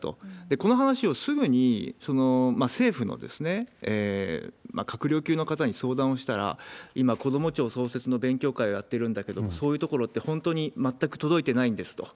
この話をすぐに政府の閣僚級の方に相談をしたら、今、こども庁創設の勉強会をやっているんだけれども、そういう所って本当に全く届いてないんですと。